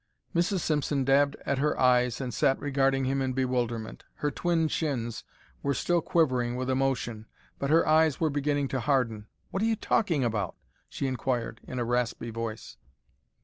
Mrs. Simpson dabbed at her eyes and sat regarding him in bewilderment. Her twin chins were still quivering with emotion, but her eyes were beginning to harden. "What are you talking about?" she inquired, in a raspy voice.